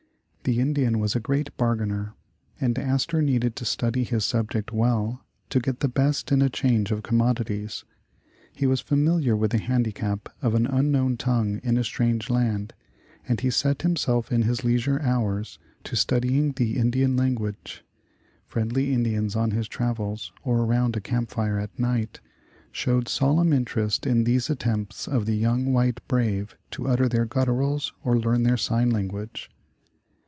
The Indian was a great bargainer, and Astor needed to study his subject well to get tbe best in a change of commodities. He was familiar with the handicap of an unknown tongue in a strange land, and he set him self in his leisure hours, to studying the Indian lan guage. Friendly Indians on his travels, or around a camp fire at night, showed solemn interest in these at tempts of the young white brave to utter their gut turals, or learn their sign language.